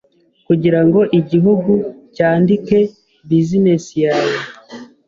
Kugirango igihugu cyandike business yawe